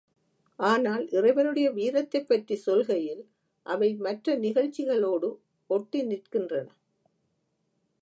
ஆனால் இறைவனுடைய வீரத்தைப் பற்றிச் சொல்கையில் அவை மற்ற நிகழ்ச்சிகளோடு ஒட்டி நிற்கின்றன.